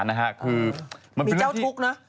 มีเจ้าทุกข์นะ